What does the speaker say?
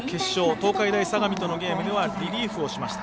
東海大相模とのゲームではリリーフをしました。